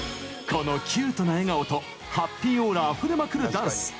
このキュートな笑顔とハッピーオーラあふれまくるダンス。